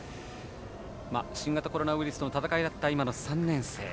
新型コロナウイルスとの闘いがあった今の３年生。